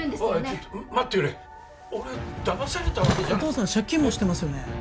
おいちょっと待ってくれ俺だまされたわけじゃお父さん借金もしてますよね？